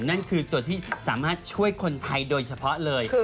นั่นคือตัวที่สามารถช่วยคนไทยโดยเฉพาะเลย